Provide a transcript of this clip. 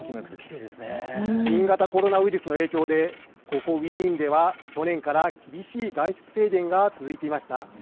新型コロナウイルスの影響でここウィーンでは去年から厳しい外出制限が続いていました。